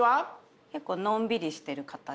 結構のんびりしてる方ですね。